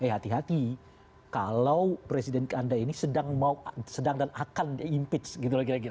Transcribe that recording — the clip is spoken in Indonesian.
hati hati kalau presiden anda ini sedang dan akan diimpat